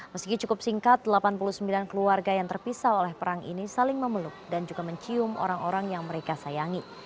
meski cukup singkat delapan puluh sembilan keluarga yang terpisah oleh perang ini saling memeluk dan juga mencium orang orang yang mereka sayangi